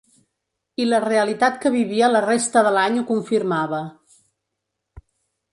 I la realitat que vivia la resta de l’any ho confirmava.